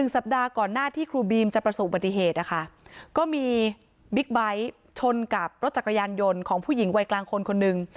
สัปดาห์ก่อนหน้าที่ครูบีมจะประสบปฏิเหตุนะคะก็มีบิ๊กไบท์ชนกับรถจักรยานยนต์ของผู้หญิงวัยกลางคนคนหนึ่ง